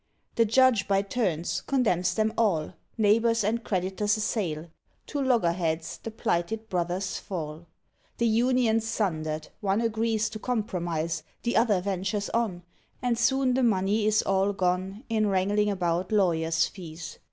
The judge by turns condemns them all, Neighbours and creditors assail; To loggerheads the plighted brothers fall. The union's sundered one agrees To compromise; the other ventures on, And soon the money is all gone In wrangling about lawyers' fees.